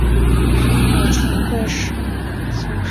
生母纯贵妃苏氏。